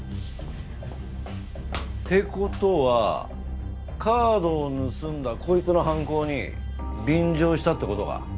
って事はカードを盗んだこいつの犯行に便乗したって事か？